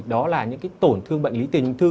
đó là những tổn thương bệnh lý tiền hình thư